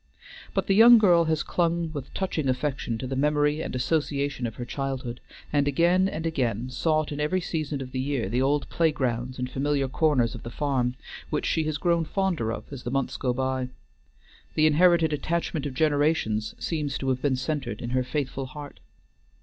But the young girl has clung with touching affection to the memory and association of her childhood, and again and again sought in every season of the year the old playgrounds and familiar corners of the farm, which she has grown fonder of as the months go by. The inherited attachment of generations seems to have been centred in her faithful heart.